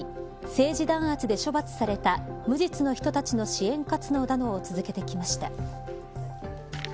政治弾圧で処罰された無実の人たちの支援活動などを続けてきました。